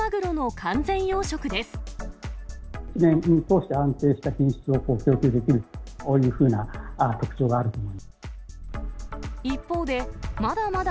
１年を通して安定した品質を供給できるというふうな特徴があると思います。